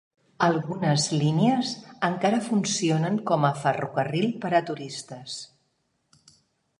Algunes línies encara funcionen com a ferrocarril per a turistes.